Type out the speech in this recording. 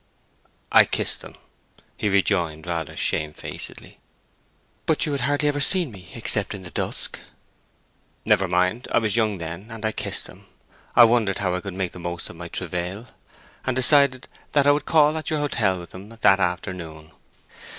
"I kissed them," he rejoined, rather shamefacedly. "But you had hardly ever seen me except in the dusk?" "Never mind. I was young then, and I kissed them. I wondered how I could make the most of my trouvaille, and decided that I would call at your hotel with them that afternoon.